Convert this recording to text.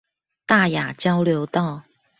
大雅交流道